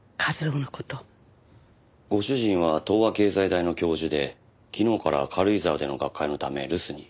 ご主人は東亜経済大の教授で昨日から軽井沢での学会のため留守に。